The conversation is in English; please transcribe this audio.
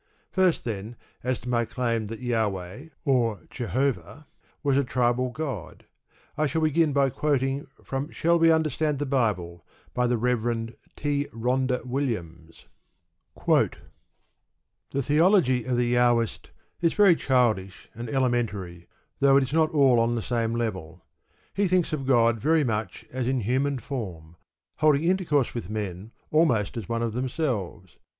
First then, as to my claim that Jahweh, or Jehovah, was a tribal god. I shall begin by quoting from Shall We Understand the Bible? by the Rev. T. Rhondda Williams: The theology of the Jahwist is very childish and elementary, though it is not all on the same level. He thinks of God very much as in human form, holding intercourse with men almost as one of themselves.